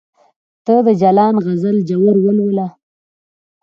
ته د جلان غزل ژور ولوله